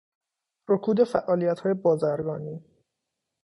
رکود فعالیتهای بازرگانی